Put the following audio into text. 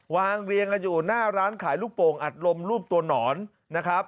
เรียงกันอยู่หน้าร้านขายลูกโป่งอัดลมรูปตัวหนอนนะครับ